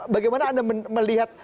bagaimana anda melihat